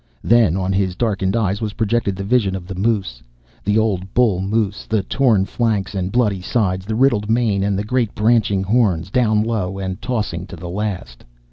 Then on his darkened eyes was projected the vision of the moose the old bull moose the torn flanks and bloody sides, the riddled mane, and the great branching horns, down low and tossing to the last.